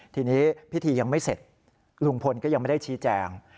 ทีนี้พิธียังไม่เสร็จลุงพลก็ยังไม่ได้ชี้แจง